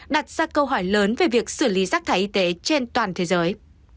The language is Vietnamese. đặt ra câu hỏi lớn về việc xử lý rác thải y tế trên toàn thế giới